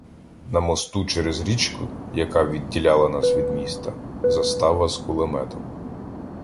На мосту через річку, яка відділяла нас від міста, — застава з кулеметом.